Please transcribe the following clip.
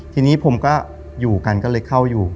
ทีนี้ผมก็อยู่กันก็เลยเข้าอยู่